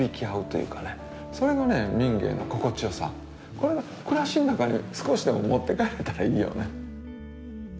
これが暮らしの中に少しでも持って帰れたらいいよね。